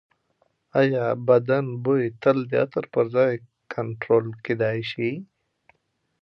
ایا بدن بوی تل د عطر پرځای کنټرول کېدی شي؟